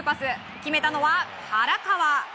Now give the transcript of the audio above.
決めたのは原川。